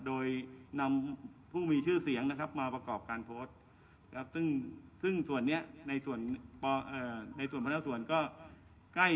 โดยนำผู้มีชื่อเสียงนะครับมาประกอบการโพสต์ครับซึ่งซึ่งส่วนเนี้ยในส่วนปอออเอ่อ